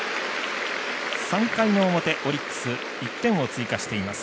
３回の表、オリックス１点を追加しています。